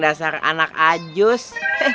kasar anak ajus